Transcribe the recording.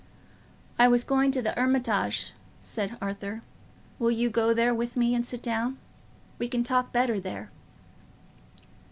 "I was going to the Hermitage," said Arthur. "Will you go there with me and sit down? We can talk better there."